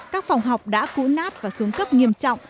các phòng học đã cũ nát và xuống cấp nghiêm trọng